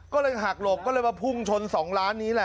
ก็เลยหักหลบก็เลยมาพุ่งชน๒ล้านนี้แหละ